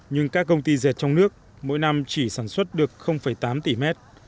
nhưng các công ty dệt trong nước mỗi năm chỉ sản xuất được tám tỷ mét